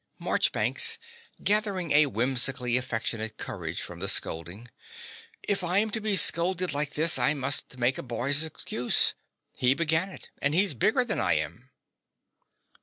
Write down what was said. MARCHBANKS (gathering a whimsically affectionate courage from the scolding). If I am to be scolded like this, I must make a boy's excuse. He began it. And he's bigger than I am.